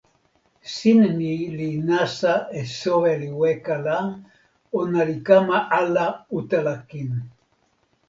sin ni li nasa e soweli weka la, ona li kama ala utala kin.